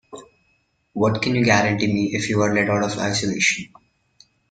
What can you guarantee me if you are let out of isolation?